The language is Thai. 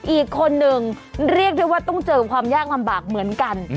อีกคนนึงเรียกได้ว่าต้องเจอความยากลำบากเหมือนกัน